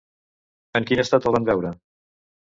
En quin estat el van veure?